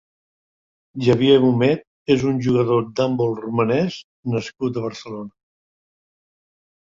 Javier Humet és un jugador d'handbol romanès nascut a Barcelona.